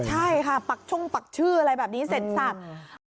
ใช่ค่ะปักช่งปักชื่ออะไรแบบนี้เสร็จสับ